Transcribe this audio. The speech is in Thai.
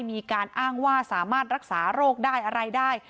มีการอ้างว่าสามารถรักษาโรคได้อะไรได้